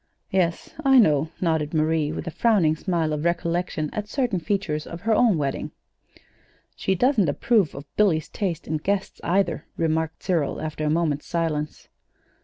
"Yes, I know," nodded Marie, with a frowning smile of recollection at certain features of her own wedding. "She doesn't approve of Billy's taste in guests, either," remarked Cyril, after a moment's silence.